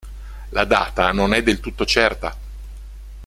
La data non è del tutto certa.